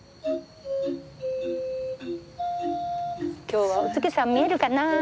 今日はお月さん見えるかなあ？